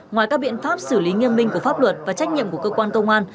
ngoài các biện pháp xử lý nghiêm minh của pháp luật và trách nhiệm của cơ quan công an